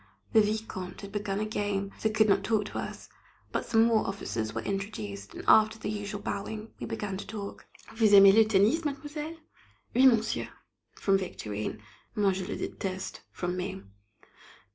The Vicomte had begun a game, so could not talk to us, but some more officers were introduced, and, after the usual bowing, we began to talk. "Vous aimez le tennis, mademoiselle?" "Oui, monsieur," from Victorine. "Moi, je le déteste," from me.